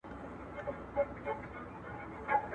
د دښمن په ګټه بولم ..